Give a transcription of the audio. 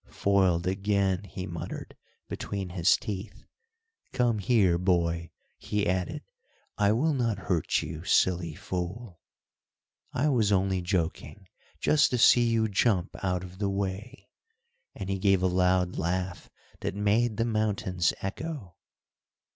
"Foiled again," he muttered, between his teeth. "Come here, boy," he added, "I will not hurt you, silly fool." "I was only joking, just to see you jump out of the way;" and he gave a loud laugh that made the mountains echo.